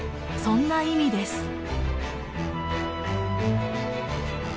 そんな意味です。